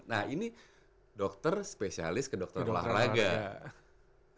nah ini dokter spesialis ke dokteran olahraga